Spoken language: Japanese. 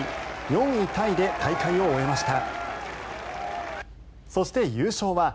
４位タイで大会を終えました。